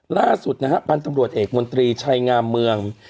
ล่าสุดนะฮะพันธุ์ตำรวจเอกมนตรีชัยงามเมือง